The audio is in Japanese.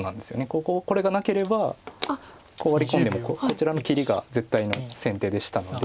こここれがなければこうワリ込んでもこちらの切りが絶対の先手でしたので。